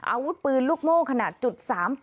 อาวุธปืนลูกโม่ขนาด๓๘